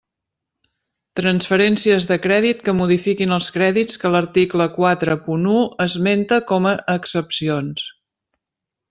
Transferències de crèdit que modifiquin els crèdits que l'article quatre punt u esmenta com a excepcions.